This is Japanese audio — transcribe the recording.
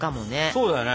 そうだよね！